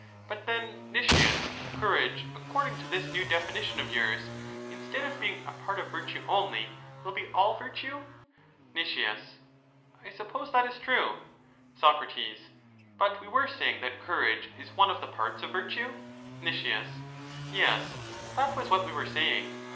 But then, Nicias, courage, according to this/j new definition of yours, instead of being a part o^ virtue only, will be all virtue? Nic, I suppose that is true. Soc. But we were saying that courage is one of the parts of virtue? Nic, Yes, that was what we were saying.